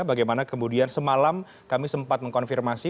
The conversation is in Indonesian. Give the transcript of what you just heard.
bagaimana kemudian semalam kami sempat mengkonfirmasi